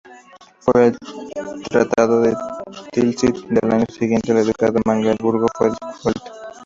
Por el Tratado de Tilsit del año siguiente, el ducado de Magdeburgo fue disuelto.